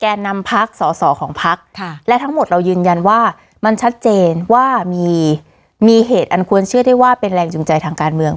แก่นำพักสอสอของพักและทั้งหมดเรายืนยันว่ามันชัดเจนว่ามีเหตุอันควรเชื่อได้ว่าเป็นแรงจูงใจทางการเมือง